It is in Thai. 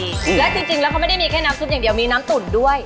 แล้วจริงแล้วเขาไม่ได้มีแค่น้ำซุปอย่างเดียวมีน้ำตุ๋นด้วย